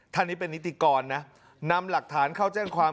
ท่านนี้เป็นนิติกรนะนำหลักฐานเข้าแจ้งความ